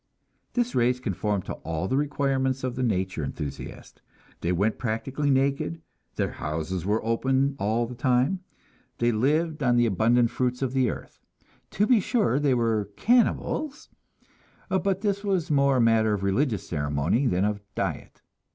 This race conformed to all the requirements of the nature enthusiast. They went practically naked, their houses were open all the time, they lived on the abundant fruits of the earth. To be sure, they were cannibals, but this was more a matter of religious ceremony than of diet.